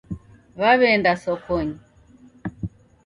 Waw'eenda sokonyi